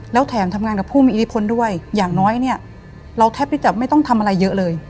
แล้วแถมทำงานกับผู้มีอิทธิพลด้วยอย่างน้อยเนี่ยเราแทบที่จะไม่ต้องทำอะไรเยอะเลย